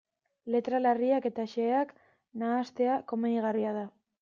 Letra larriak eta xeheak nahastea komenigarria da.